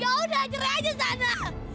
ya udah jerah aja sana